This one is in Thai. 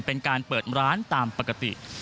เป็นการเปิดร้านตามปกติ